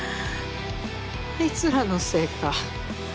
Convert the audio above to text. あいつらのせいか。